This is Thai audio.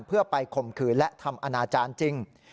เพื่อไปข่มขืนและทำอนาจารย์จริง